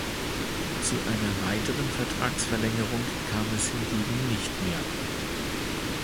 Zu einer weiteren Vertragsverlängerung kam es hingegen nicht mehr.